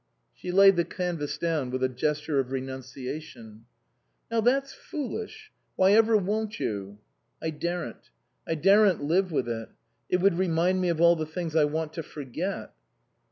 She laid the canvas down with a gesture of renunciation. " Now that's foolish. Why ever won't you ?"" I daren't. I daren't live with it. It would remind me of all the things I want to forget."